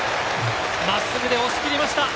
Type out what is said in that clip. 真っすぐで押し切りました！